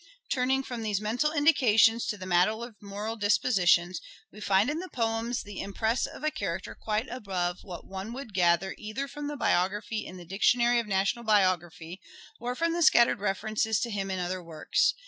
Oxford's Turning from these mental indications to the matter character in °.. his writings, of moral dispositions, we find in the poems the impress of a character quite above what one would gather either from the biography in the Dictionary of National Biography, or from the scattered references to him in other works.